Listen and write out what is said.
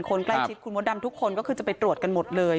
คนใกล้ชิดคุณมดดำทุกคนก็คือจะไปตรวจกันหมดเลย